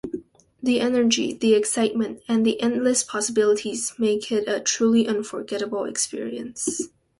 The energy, the excitement, and the endless possibilities make it a truly unforgettable experience.